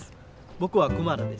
僕はクマラです。